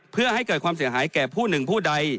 เพื่อให้เกิดความเสียหายแก่ผู้หนึ่งผู้ใด